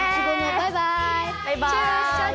バイバイ！